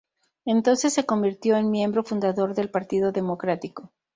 Entonces se convirtió en miembro fundador del Partido Democrático.